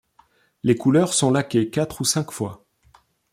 Les couleurs sont laquées quatre ou cinq fois.